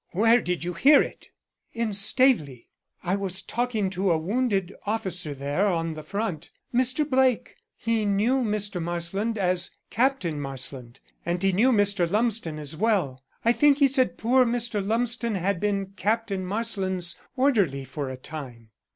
"Where did you hear it?" "In Staveley. I was talking to a wounded officer there on the front Mr. Blake. He knew Mr. Marsland as Captain Marsland and he knew Mr. Lumsden as well. I think he said poor Mr. Lumsden had been Captain Marsland's orderly for a time."